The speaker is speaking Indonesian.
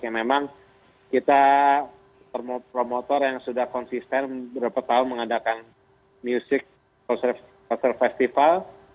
ya memang kita promotor yang sudah konsisten berapa tahun mengadakan musik konser festival